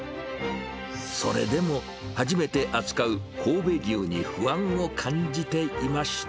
それでも、初めて扱う神戸牛に不安を感じていました。